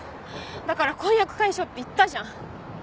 だから婚約解消って言ったじゃん。